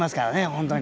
本当に。